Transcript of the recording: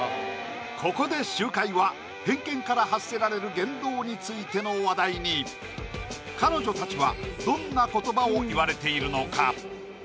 ここで集会は偏見から発せられる言動についての話題に彼女たちはどんな言葉を言われているのか？